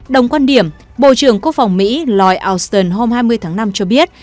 đồng quan điểm bộ trưởng quốc phòng mỹ lloyd auston hôm hai mươi tháng năm cho biết